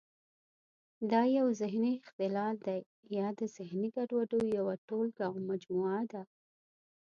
دا یو ذهني اختلال دی یا د ذهني ګډوډیو یوه ټولګه او مجموعه ده.